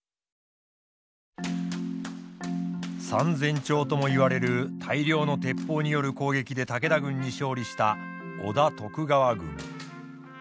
３，０００丁ともいわれる大量の鉄砲による攻撃で武田軍に勝利した織田・徳川軍。